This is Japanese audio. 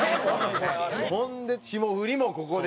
ほんで霜降りもここで。